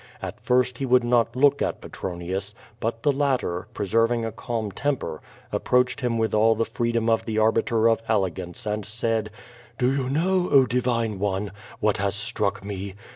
At first he would not look at Petronius, but the latter, preserving a calm temper, approached him with all the freedom of the Arbiter of Ele gance, and said: "Do iou know, oh, divine one, what has struck me?